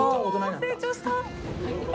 成長した！